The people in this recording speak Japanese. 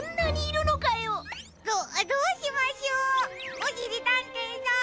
おしりたんていさん。